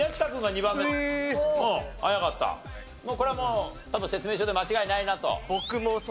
これはもう多分説明書で間違いないなと？